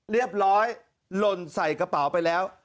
เรียบร้อยหล่นใส่กระเป๋าไปแล้ว